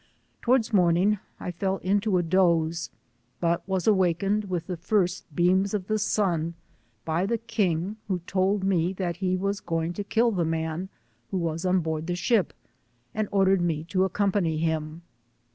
To wards morning I fell into a doze, but was awakened with the first beams of the sun by the king, who told me he was going to kill the man who was ob board the ship, and ordered me to accompany him.